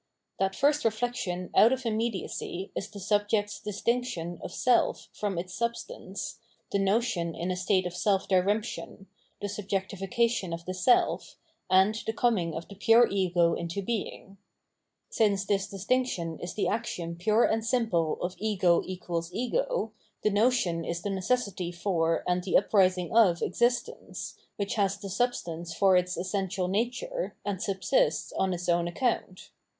That first reflection out of immediacy is the subject's distinction of self from its substance, the notion in a state of self diremption, the subjectification of the self, and the coming of the pure ego into being. Since this distinction is the action pure and simple of Ego "Ego, * Schelling^. VOL. IL— 2 O 818 Phenomenology of Mind tte notion is the necessity for and the uprising oi existence, which has the substance for its essentia] nature and subsists on its own account.